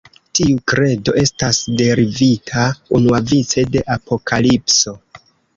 Tiu kredo estas derivita unuavice de Apokalipso.